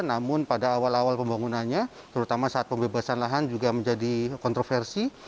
namun pada awal awal pembangunannya terutama saat pembebasan lahan juga menjadi kontroversi